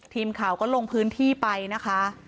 ทีมข่าวก็ลงพื้นที่ไปนะคะ